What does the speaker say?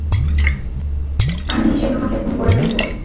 আমি নিজেই তোমাকে খুন করে ফেলবো।